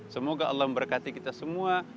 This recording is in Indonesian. semoga allah memberkati kita semua